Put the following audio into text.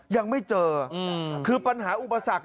ยังไม่เจอคือปัญหาอุปสรรค